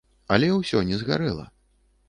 Але ўсё не згарэла.